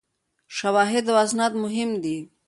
شواهد او اسناد مهم دي.